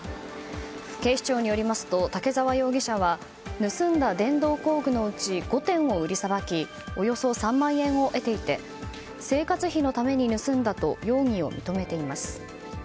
警視庁によりますと武沢容疑者は盗んだ電動工具のうち５点を売りさばきおよそ３万円を得ていて生活費のために盗んだと容疑を認めています。